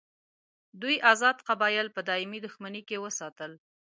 دوی آزاد قبایل په دایمي دښمني کې وساتل.